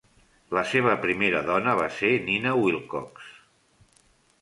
La seva primera dona va ser Nina Wilcox.